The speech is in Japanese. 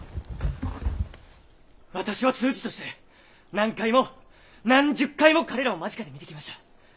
私は通詞として何回も何十回も彼らを間近で見てきました。